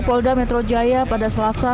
polda metro jaya pada selasa